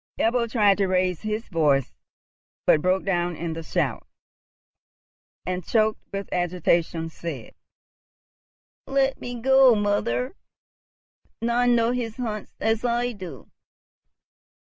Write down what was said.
Ebbo tried to raise his voice, but broke down in the shout, and, choked with agitation, said, "Let me go, mother. None know his haunts as I do!"